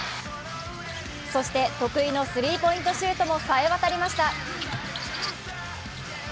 そして、得意のスリーポイントもさえ渡りました。